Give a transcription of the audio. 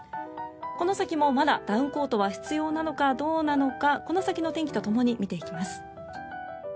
この先もまだダウンコートは必要なのかどうなのかこの先の天気とともに見ていきます。